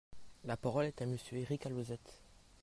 La parole est à Monsieur Éric Alauzet.